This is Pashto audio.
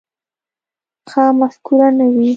ښه مفکوره نه وي.